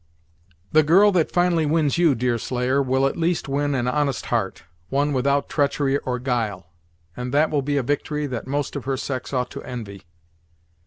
"The girl that finally wins you, Deerslayer, will at least win an honest heart, one without treachery or guile; and that will be a victory that most of her sex ought to envy."